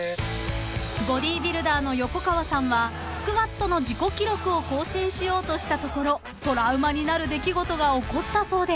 ［ボディービルダーの横川さんはスクワットの自己記録を更新しようとしたところトラウマになる出来事が起こったそうで］